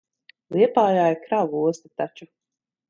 Liepājā ir kravu osta taču.